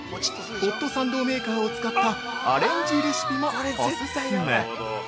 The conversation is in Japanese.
ホットサンドメーカーを使ったアレンジレシピもお勧め。